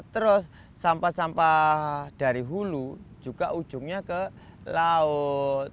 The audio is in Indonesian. terus sampah sampah dari hulu juga ujungnya ke laut